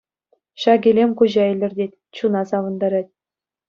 Ҫак илем куҫа илӗртет, чуна савӑнтарать.